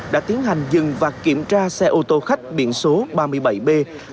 đã tiến hành dừng và kiểm tra xe ô tô khách biển số ba mươi bảy b một nghìn chín trăm bốn mươi năm